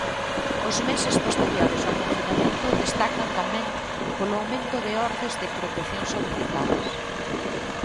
Os meses posteriores ao confinamento destacan tamén polo aumento de ordes de protección solicitadas.